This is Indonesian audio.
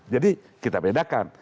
jadi kita bedakan